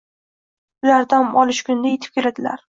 Ular dam olish kunida yetib keladilar.